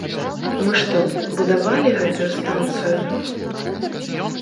Мы што, будавалі гэтую станцыю?